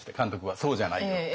「そうじゃないよ」って。